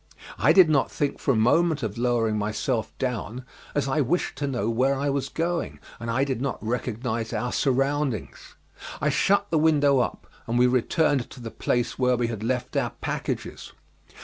I did not think for a moment of lowering myself down, as I wished to know where I was going, and I did not recognize our surroundings. I shut the window up, and we returned to the place where we had left our packages.